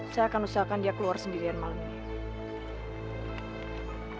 saya akan usahakan dia keluar sendirian malam ini